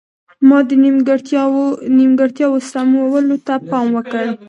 ما د نیمګړتیاوو سمولو ته پام وکړ.